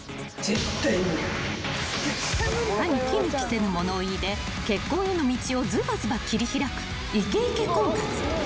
［歯に衣着せぬ物言いで結婚への道をずばずば切り開くいけいけ婚活］